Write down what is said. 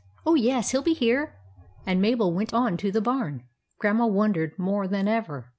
"Oh, yes; he'll be here." And Mabel went on to the barn. Grandma wondered more than ever.